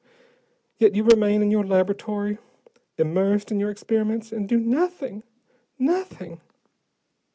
Yet you remain in your laboratory, immersed in your experiments, and do nothing, nothing!"